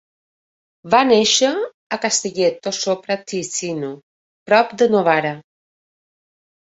Va néixer a Castelletto sopra Ticino, prop de Novara.